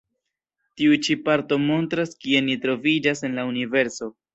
Tiu ĉi parto montras kie ni troviĝas en la Universo.